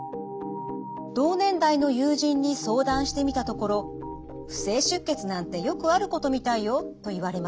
同年代の友人に相談してみたところ「不正出血なんてよくあることみたいよ」と言われました。